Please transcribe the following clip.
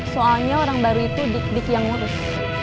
soalnya orang baru itu dig dik yang ngurus